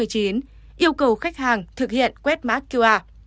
cầu khách hàng thực hiện quét mát qr